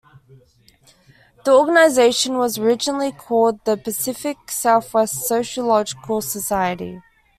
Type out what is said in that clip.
The organization was originally called the Pacific Southwest Sociological Society.